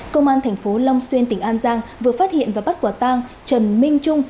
công an tp long xuyên tỉnh an giang vừa phát hiện và bắt quả tang trần minh trung